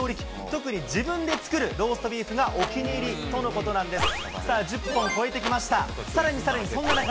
特に自分で作るローストビーフがお気に入りとのことなんです。